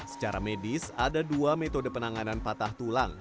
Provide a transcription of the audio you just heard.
secara medis ada dua metode penanganan patah tulang